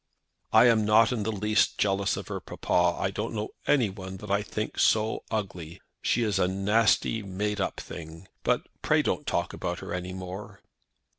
"I am not in the least jealous of her, papa. I don't know anyone that I think so ugly. She is a nasty made up thing. But pray don't talk about her anymore."